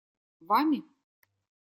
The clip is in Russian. Вами?